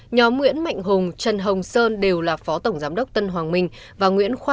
nhóm nguyễn mạnh hùng trần hồng sơn đều là phó tổng giám đốc tân hoàng minh